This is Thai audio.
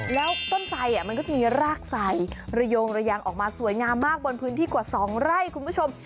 แล้วต้นไสมันก็จะมีรากไซระยงระยางออกมาสวยงามมากบนพื้นที่กว่า๒ไร่คุณผู้ชม